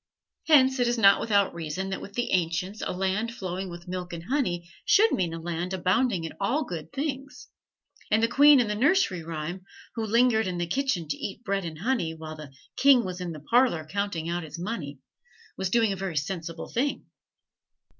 Hence it is not without reason that with the ancients a land flowing with milk and honey should mean a land abounding in all good things; and the queen in the nursery rhyme, who lingered in the kitchen to eat "bread and honey" while the "king was in the parlor counting out his money," was doing a very sensible thing.